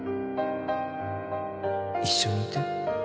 一緒にいて。